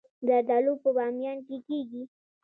زردالو په بامیان کې کیږي